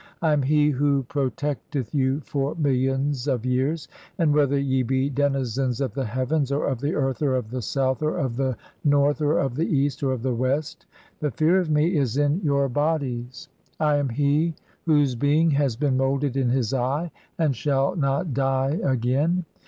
(19) I am he who "protccteth you for millions of years, and whether ye be denizens "of the heavens, or of the earth, or of the south, or of the (20) "north, or of the east, or of the west, the fear of me is in vour "bodies. I am he whose being has been moulded in his eve, "and I shall not die again.